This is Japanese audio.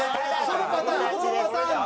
そのパターンだ？